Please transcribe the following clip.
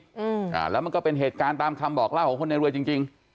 อืมอ่าแล้วมันก็เป็นเหตุการณ์ตามคำบอกเล่าของคนในรวยจริงจริง